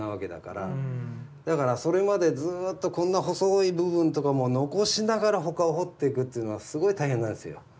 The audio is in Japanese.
だからそれまでずっとこんな細い部分とかも残しながら他を彫っていくっていうのはすごい大変なんですよ。